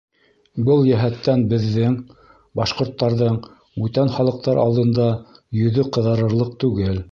Был йәһәттән беҙҙең, башҡорттарҙың, бүтән халыҡтар алдында йөҙө ҡыҙарырлыҡ түгел.